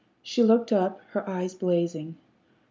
She looked up, her eyes blazing.